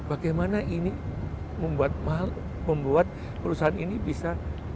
bagaimana ini membuat perusahaan ini bisa